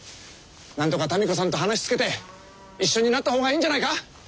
なんとか民子さんと話つけて一緒になった方がいいんじゃないか？